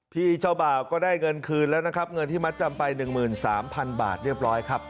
พี่เจ้าบ่าวก็ได้เงินคืนแล้วนะครับเงินที่มัดจำไป๑๓๐๐๐บาทเรียบร้อยครับ